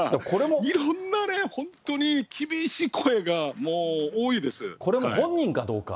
いろんな、本当に厳しい声が、もう多いです。